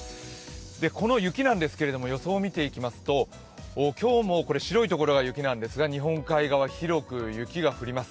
この雪なんですけれども予想を見ていきますと今日も白い所が雪なんですが、日本海側、広く雪が降ります。